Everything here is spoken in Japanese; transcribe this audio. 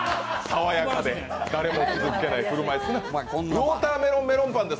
爽やかで、誰も傷つけないコメント